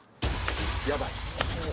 やばい！